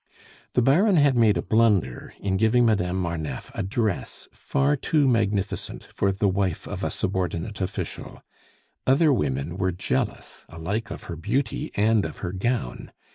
The Baron had made a blunder in giving Madame Marneffe a dress far too magnificent for the wife of a subordinate official; other women were jealous alike of her beauty and of her gown.